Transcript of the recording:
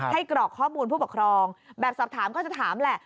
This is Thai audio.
กรอกข้อมูลผู้ปกครองแบบสอบถามก็จะถามแหละ